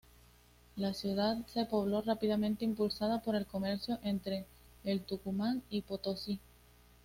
La ciudad se pobló rápidamente, impulsada por el comercio entre el Tucumán y Potosí.